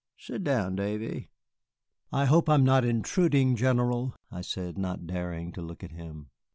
"Sit down, Davy." "I hope I am not intruding, General," I said, not daring to look at him.